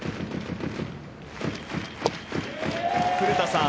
古田さん